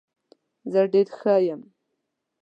زه ډیر ښه یم.